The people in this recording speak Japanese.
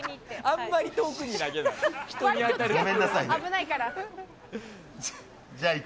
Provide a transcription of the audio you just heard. あんまり遠くに投げない。